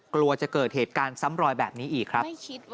กลัวจะเกิดเหตุการณ์ซ้ำรอยแบบนี้อีกครับ